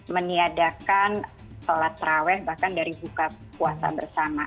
meniadakan sholat terawih bahkan dari buka puasa bersama